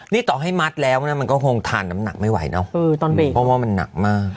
นี่ต่อให้มัดแล้วนะมันก็คงทานน้ำหนักไม่ไหวเนอะตอนเบรกเพราะว่ามันหนักมาก